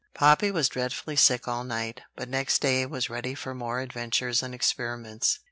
Poppy was dreadfully sick all night, but next day was ready for more adventures and experiments.